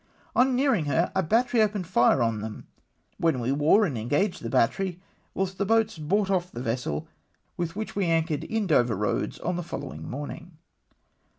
On nearing her, a battery opened fire on them, when we wore and engaged the battery, whilst the boats brought off the vessel, with which we ancliored in Dover roads on the followinof morninix.